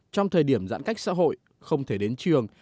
trong thời điểm giãn cách xã hội không thể đến trường